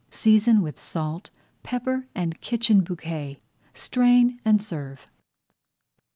Season with salt, pepper, and kitchen bouquet. Strain and serve.